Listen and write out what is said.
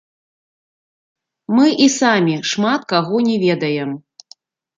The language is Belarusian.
Мы і самі шмат каго не ведаем.